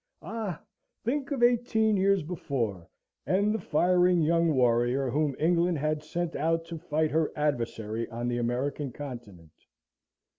Ah! think of eighteen years before and the fiery young warrior whom England had sent out to fight her adversary on the American continent.